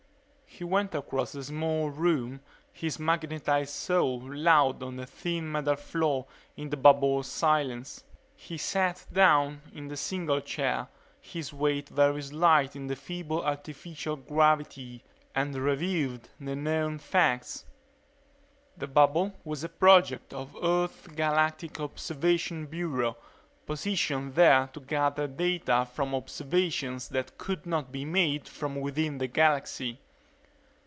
He went across the small room, his magnetized soles loud on the thin metal floor in the bubble's silence. He sat down in the single chair, his weight very slight in the feeble artificial gravity, and reviewed the known facts. The bubble was a project of Earth's Galactic Observation Bureau, positioned there to gather data from observations that could not be made from within the galaxy.